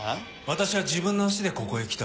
私は自分の足でここへ来た。